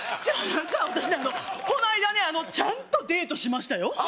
じゃあ私ねこないだねちゃんとデートしましたよ